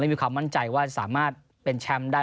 มีความมั่นใจว่าสามารถเป็นแชมป์ได้